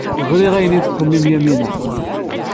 Ẓriɣ ayen ay tettxemmim Yamina.